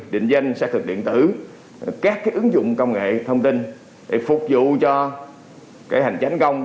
định danh xác thực điện tử các ứng dụng công nghệ thông tin để phục vụ cho cái hành chánh công